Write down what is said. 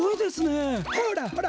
ほらほら！